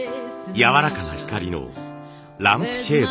やわらかな光のランプシェード。